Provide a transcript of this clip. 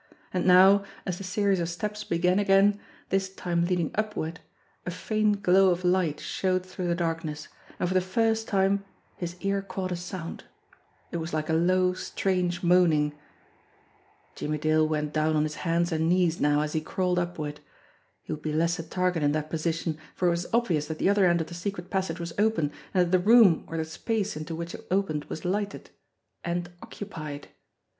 And now, as the series of steps began again, this time lead ing upward, a faint glow of light showed through the dark ness, and for the first time his ear caught a sound it was like a low, strange moaning. Jimmie Dale went down on his hands and knees now as he crawled upward. He would be less a target in that posi tion, for it was obvious that the other end of the secret passage was open, and that the room or the space into which it opened was lighted mid occupied.